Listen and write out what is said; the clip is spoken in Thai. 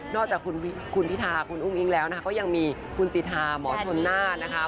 จากคุณพิธาคุณอุ้งอิงแล้วนะคะก็ยังมีคุณสิทาหมอชนน่านะคะ